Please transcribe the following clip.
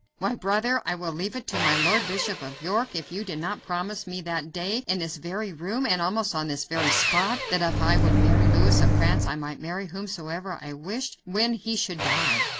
"Why! brother, I will leave it to my Lord Bishop of York if you did not promise me that day, in this very room, and almost on this very spot, that if I would marry Louis of France I might marry whomsoever I wished when he should die.